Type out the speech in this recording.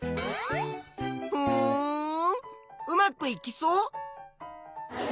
ふんうまくいきそう？